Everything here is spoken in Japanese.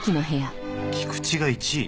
菊池が１位！？